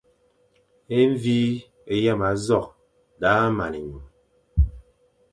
E mvi é yama nzokh daʼa man enyum.